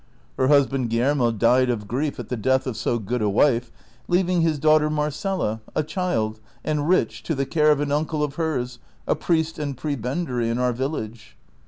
Her husband Guillermo died of grief at the death of so good a wife, leaving his daughter Marcela, a child and rich, to the care of an uncle of hers, a priest and prebendary in our village.